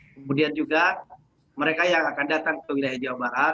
kemudian juga mereka yang akan datang ke wilayah jawa barat